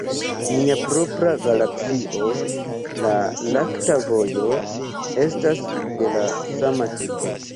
Nia propra galaksio, la lakta vojo, estas de la sama tipo.